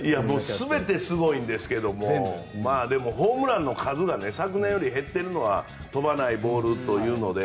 全てすごいんですけどもでも、ホームランの数が昨年より減っているのは飛ばないボールというので。